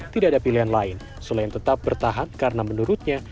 tidak ada pilihan lain selain tetap bertahan karena menurutnya